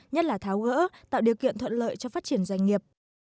nhất là tháo gỡ tạo điều kiện thuận lợi cho phát triển doanh nghiệp